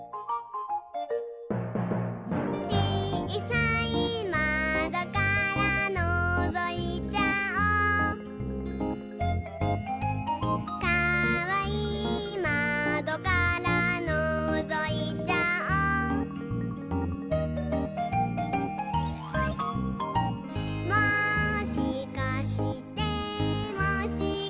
「ちいさいまどからのぞいちゃおう」「かわいいまどからのぞいちゃおう」「もしかしてもしかして」